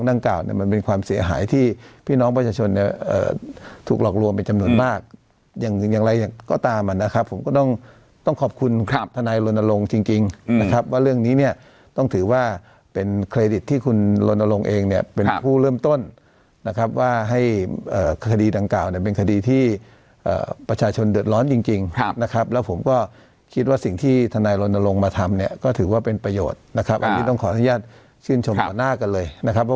ลงจริงจริงนะครับว่าเรื่องนี้เนี่ยต้องถือว่าเป็นเครดิตที่คุณลนลงเองเนี่ยเป็นผู้เริ่มต้นนะครับว่าให้อ่าคดีดังกล่าวเนี่ยเป็นคดีที่อ่าประชาชนเดือดร้อนจริงจริงครับนะครับแล้วผมก็คิดว่าสิ่งที่ทนายลนลงมาทำเนี่ยก็ถือว่าเป็นประโยชน์นะครับอันนี้ต้องขออนุญาตชื่นชมหน้ากันเลยนะครับ